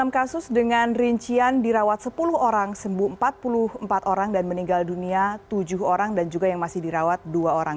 enam kasus dengan rincian dirawat sepuluh orang sembuh empat puluh empat orang dan meninggal dunia tujuh orang dan juga yang masih dirawat dua orang